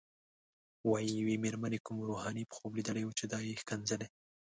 وايي یوې مېرمنې کوم روحاني په خوب لیدلی و چې دا یې ښکنځله.